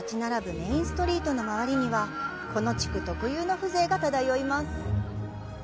メインストリートの周りにはこの地区特有の風情が漂います。